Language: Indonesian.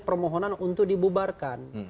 permohonan untuk dibubarkan